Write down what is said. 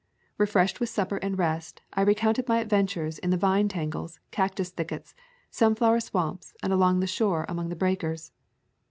Refreshed with supper and rest, I recounted my adventures in the vine tangles, cactus thickets, sunflower swamps, and along the shore among the breakers.